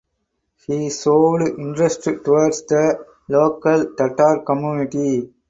He showed interest towards the local Tatar community.